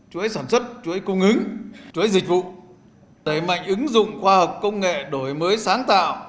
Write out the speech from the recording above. chuỗi sản xuất chuỗi cung ứng chuỗi dịch vụ đẩy mạnh ứng dụng khoa học công nghệ đổi mới sáng tạo